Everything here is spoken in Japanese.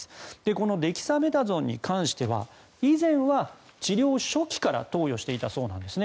このデキサメタゾンに関しては以前は治療初期から投与していたそうなんですね。